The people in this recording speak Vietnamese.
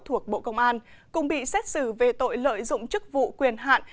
thuộc bộ công an cùng bị xét xử về tội lợi dụng chức vụ quyền hạn